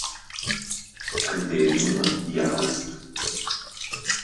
Criterium di Aalst